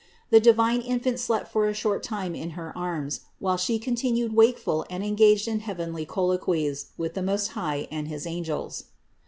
The divine Infant slept for a short time in her arms, while She continued wakeful and engaged in heavenly col loquies with the Most High and his angels.